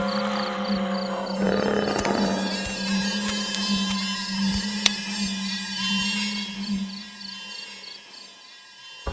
standar kecah jalan